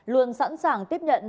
luôn sẵn sàng tiếp nhận